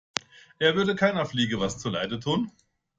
Er würde keiner Fliege was zu Leide tun.